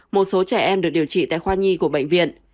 một số trẻ em được điều trị tại khoa nhi của bệnh viện